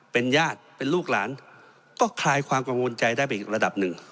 เป็นญาติเป็นลูกหลานก็คลายความกังวลใจได้ไปอีกระดับหนึ่ง